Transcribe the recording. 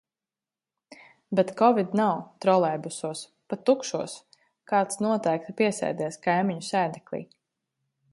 Bet kovid nav - trolejbusos, pat tukšos, kāds noteikti piesēdies kaimiņu sēdeklī.